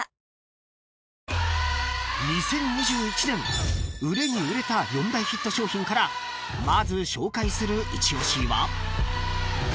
［２０２１年売れに売れた４大ヒット商品からまず紹介するイチ推しは］